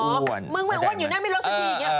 มึงไม่อ้วนอยู่ในน่ะไม่เลิกสักทีอย่างนี้